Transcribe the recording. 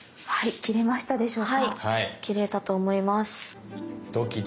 切れたと思います。